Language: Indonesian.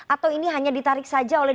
atau ini hanya ditarik saja oleh